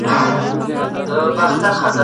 بهرنۍ پالیسي د ملت له ګټو پرته نه ټاکل کيږي.